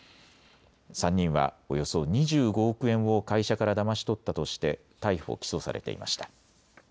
３人はおよそ２５億円を会社からだまし取ったとして逮捕・起訴されていました。